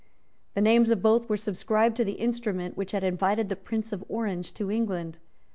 The names of both were subscribed to the instrument which had invited the Prince of Orange to England.